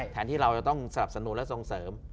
แทนที่เราจะต้องสนับสนุนและส่งเสริม